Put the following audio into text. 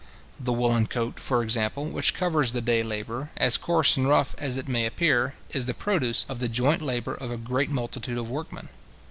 The woollen coat, for example, which covers the day labourer, as coarse and rough as it may appear, is the produce of the joint labour of a great multitude of workmen.